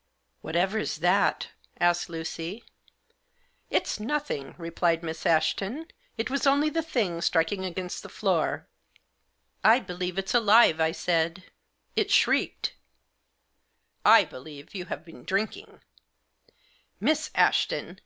" Whatever's that ?" asked Lucy. " It's nothing," replied Miss Ashton. " It was only the thing striking against the floor." " I believe it's alive," I said. " It shrieked." " I believe you have been drinking." " Miss Ashton